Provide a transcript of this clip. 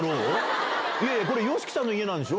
これ、ＹＯＳＨＩＫＩさんの家なんでしょ？